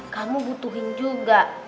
kamu butuhin juga